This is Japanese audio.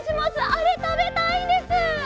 あれたべたいんです！